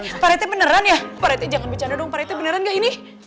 eh pak retek beneran ya pak retek jangan bercanda dong pak retek beneran gak ini